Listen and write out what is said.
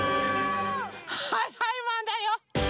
はいはいマンだよ。